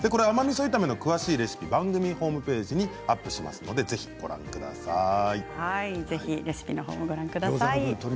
甘みそ炒めの詳しいレシピは番組ホームページにアップしますのでぜひご覧ください。